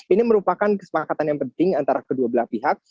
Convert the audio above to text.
ini merupakan kesepakatan yang penting antara kedua belah pihak